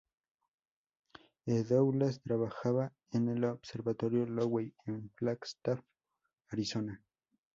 E. Douglass trabajaba en el Observatorio Lowell, en Flagstaff, Arizona.